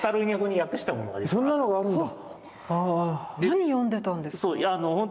何読んでたんですか？